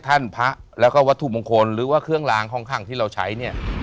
ท่านพระแล้วก็วัตถุมงคลหรือว่าเครื่องลางห้องข้างที่เราใช้เนี่ย